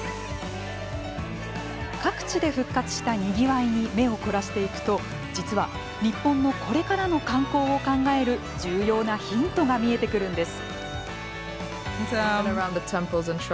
各地で復活したにぎわいに目を凝らしていくと実は日本のこれからの観光を考える重要なヒントが見えてくるんです。